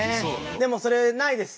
でもそれないです。